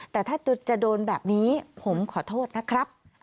แต่ถ้าจะโดนแบบนี้ผมขอโทษนะครับ